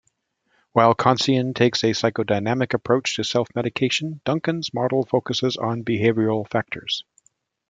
While Khantzian takes a psychodynamic approach to self-medication, Duncan's model focuses on behavioral factors.